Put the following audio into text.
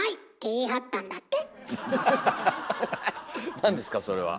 何ですかそれは。